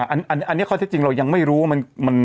อันนี้ข้อเท็จจริงเรายังไม่รู้ว่า